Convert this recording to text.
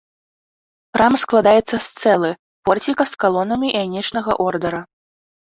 Храм складаецца з цэлы, порціка з калонамі іанічнага ордара.